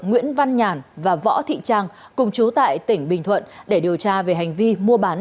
nguyễn văn nhàn và võ thị trang cùng chú tại tỉnh bình thuận để điều tra về hành vi mua bán